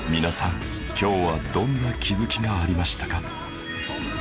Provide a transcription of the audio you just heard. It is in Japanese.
皆さん今日はどんな気付きがありましたか？